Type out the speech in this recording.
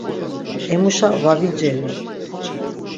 Emuşa va viceri.